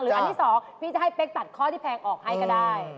อันที่๒พี่จะให้เป๊กตัดข้อที่แพงออกให้ก็ได้